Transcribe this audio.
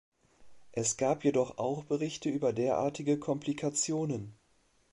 Es gab jedoch auch Berichte über derartige Komplikationen.